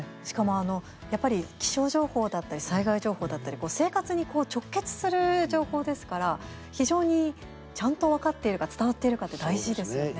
しかも、あのやっぱり気象情報だったり災害情報だったり生活に直結する情報ですから非常にちゃんと分かっているか伝わっているかって大事ですよね。